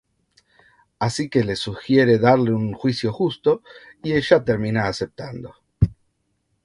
Así que le sugiere darle un juicio justo y ella termina aceptando.